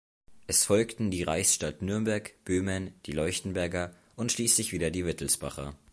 Es folgten die Reichsstadt Nürnberg, Böhmen, die Leuchtenberger und schließlich wieder die Wittelsbacher.